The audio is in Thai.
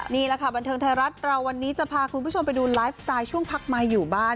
นี่แหละค่ะบันเทิงไทยรัฐเราวันนี้จะพาคุณผู้ชมไปดูไลฟ์สไตล์ช่วงพักไมค์อยู่บ้าน